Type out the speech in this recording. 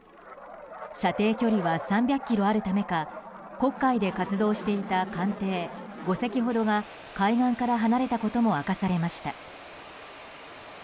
射程距離は３００ｋｍあるためか黒海で活動していた艦艇５隻ほどが海岸から離れたことも明かされました。